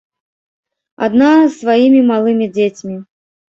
Адна з сваімі малымі дзецьмі.